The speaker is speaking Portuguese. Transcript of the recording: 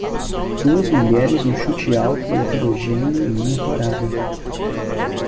Duas mulheres no chute alto heterogéneo em uma parada.